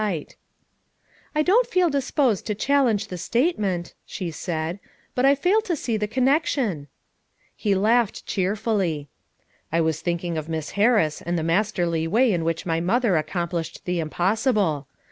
FOUR MOTHERS AT CHAUTAUQUA 275 "I don't feel disposed to challenge the statement," she said. "But I fail to see the connection.' ' He laughed cheerfully. "I was thinking of Miss Harris and the masterly way in which my mother accomplished the impossible.